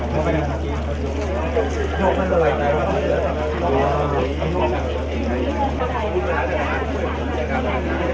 เมืองอัศวินธรรมดาคือสถานที่สุดท้ายของเมืองอัศวินธรรมดา